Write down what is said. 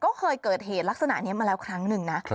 ก็เคยเกิดเหตุลักษณะนี้มาแล้วครั้งหนึ่งนะ